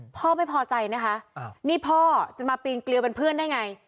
พ่อไม่พอใจนะคะนี่พ่อจะมาปีนเกลียวเป็นเพื่อนได้ไง